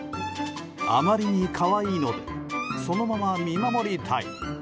あまりに可愛いのでそのまま見守りたい。